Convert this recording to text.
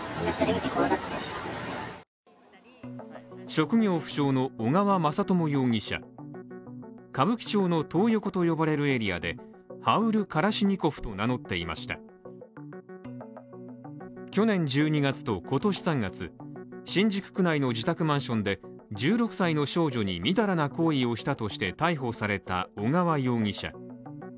職業不詳の小川雅朝容疑者、歌舞伎町のトー横と呼ばれるエリアで、ハウル・カラシニコフと名乗っていましたが、去年１２月と今年３月、新宿区内の自宅マンションで１６歳の少女にみだらな行為をしたとして逮捕された小川容疑者。